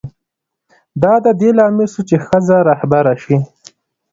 دا د دې لامل شو چې ښځه رهبره شي.